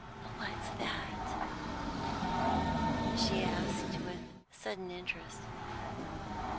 "What's that?" she asked, with sudden interest.